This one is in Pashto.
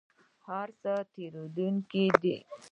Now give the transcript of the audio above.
هر څه تیریدونکي دي؟